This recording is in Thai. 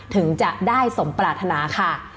ถึงจะได้สมปรารถนาค่ะ